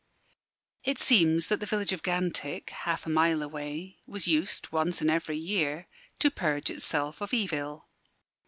It seems that the village of Gantick, half a mile away, was used once in every year to purge itself of evil.